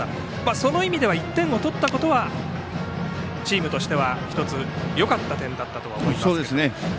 その意味では１点を取ったことはチームとしては１つよかった点だったと思いますが。